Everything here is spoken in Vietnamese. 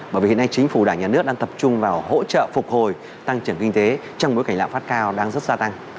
bởi vì hiện nay chính phủ đảng nhà nước đang tập trung vào hỗ trợ phục hồi tăng trưởng kinh tế trong bối cảnh lạm phát cao đang rất xa tăng